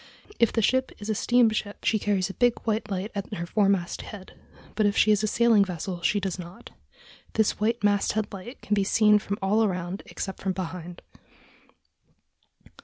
If the ship is a steamship she carries a big white light at her foremast head, but if she is a sailing vessel she does not. This white masthead light can be seen from all around except from behind....